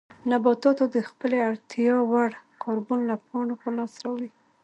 نباتاتو د خپلې اړتیا وړ کاربن له پاڼو په لاس راوړي.